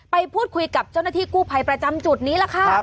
ไปพูดคุยกับเจ้าหน้าที่กู้ภัยประจำจุดนี้ล่ะค่ะ